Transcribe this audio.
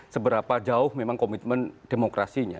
seberapa jauh memang komitmen demokrasinya